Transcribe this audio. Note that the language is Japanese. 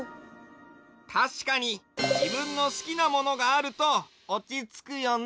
たしかにじぶんのすきなものがあるとおちつくよね。